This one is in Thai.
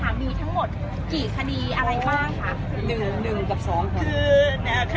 มีทั้งหมดกี่คดีอะไรบ้างค่ะหนึ่งหนึ่งกับสองค่ะคืออ่าคดี